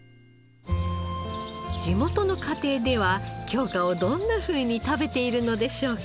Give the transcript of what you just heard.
地元の家庭では京香をどんなふうに食べているのでしょうか？